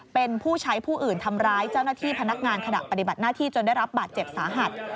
เป็นผู้ใช้ผู้อื่นทำร้ายเจ้าหน้าที่พนักงานขณะปฏิบัติหน้าที่จนได้รับบาดเจ็บสาหัส